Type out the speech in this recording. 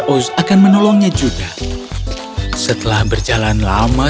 oh merek pada seluruh armamu